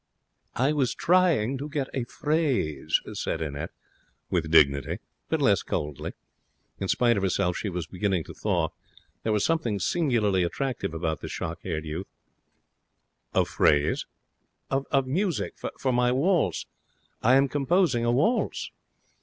'I was trying to get a phrase,' said Annette, with dignity, but less coldly. In spite of herself she was beginning to thaw. There was something singularly attractive about this shock headed youth. 'A phrase?' 'Of music. For my waltz. I am composing a waltz.'